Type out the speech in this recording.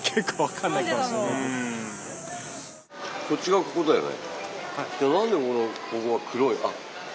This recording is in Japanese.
こっちがここだよね。